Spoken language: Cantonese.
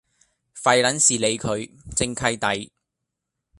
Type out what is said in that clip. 廢撚事理佢，正契弟